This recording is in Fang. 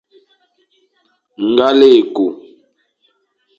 Ngal e ku.